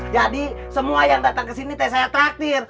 jadi semua yang datang kesini itu saya traktir